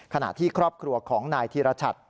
ขณะที่ครอบครัวของนายธีรชัด